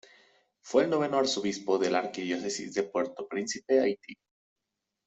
Fue el noveno arzobispo de la Arquidiócesis de Puerto Príncipe, Haití.